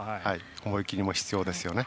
思い切りも必要ですよね。